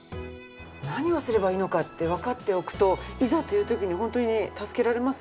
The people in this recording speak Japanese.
何をすればいいのかってわかっておくといざという時に本当に助けられますね。